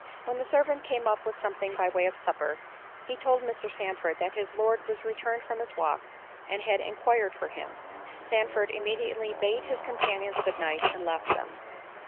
When the servant came up with something by way of supper, he told Mr. Sandford that his Lord was returned from his walk and had enquired for him; Sandford immediately bade his companions good night, and left them.